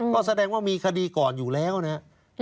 ก็แสดงว่ามีคดีก่อนอยู่แล้วนะครับ